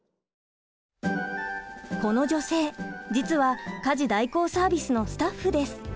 この女性実は家事代行サービスのスタッフです。